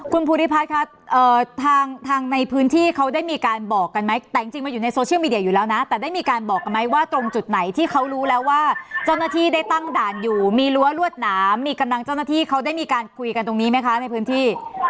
คุณภูริพัฒน์คะทางในพื้นที่เขาได้มีการบอกกันไหมแต่จริงมันอยู่ในโซเชียลมีเดียอยู่แล้วนะแต่ได้มีการบอกกันไหมว่าตรงจุดไหนที่เขารู้แล้วว่าเจ้าหน้าที่ได้ตั้งด่านอยู่มีรั้วรวดหนามมีกำลังเจ้าหน้าที่เขาได้มีการคุยกันตรงนี้ไหมคะในพื้นที่